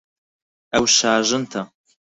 ئەو شاژنتە.